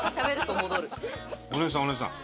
お姉さんお姉さん。